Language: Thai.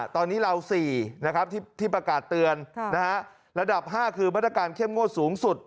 ตอนนี้เรา๔นะครับที่ประกาศเตือนระดับ๕คือบรรดาการเข้มโง่สูงสุด